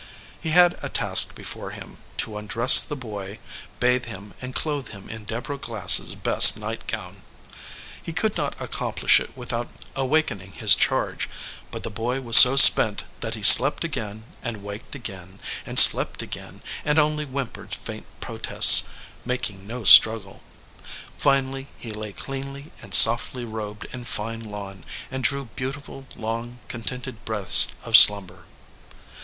He had a task before him : to undress the boy, 117 EDGEWATER PEOPLE bathe him, and clothe him in Deborah Glass s best nightgown. He could not accomplish it without awakening his charge, but the child was so spent that he slept again and waked again and slept again, and only whimpered faint protests, making no struggle. Finally he lay cleanly and softly robed in fine lawn, and drew beautiful, long, contented breaths of slumber.